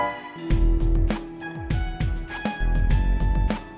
ntar gue pindah ke pangkalan